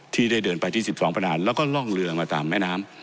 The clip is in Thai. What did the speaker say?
ที่ได้เดินไปที่๑๒ประดานแล้วก็ล่องเรือมาตามแม่น้ำ